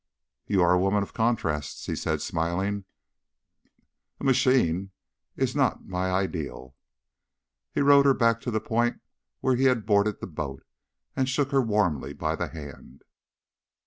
"You are a woman of contrasts," he said, smiling. "A machine is not my ideal." He rowed her back to the point where he had boarded the boat, and shook her warmly by the hand.